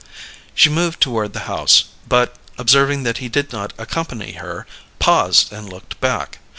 She moved toward the house, but, observing that he did not accompany her, paused and looked back.